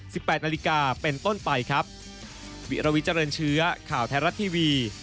แปดนาฬิกาเป็นต้นไปครับวิรวิเจริญเชื้อข่าวไทยรัฐทีวี